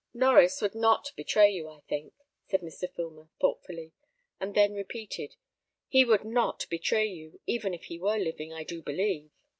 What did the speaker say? "Norries would not betray you, I think," said Mr. Filmer, thoughtfully; and then repeated, "he would not betray you, even if he were living, I do believe."